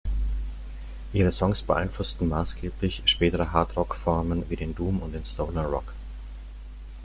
Ihre Songs beeinflussten maßgeblich spätere Hard-Rock-Formen wie den Doom und den Stoner Rock.